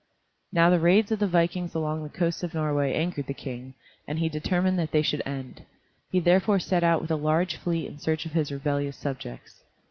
Now the raids of the vikings along the coasts of Norway angered the King, and he determined that they should end. He therefore set out with a large fleet in search of his rebellious subjects.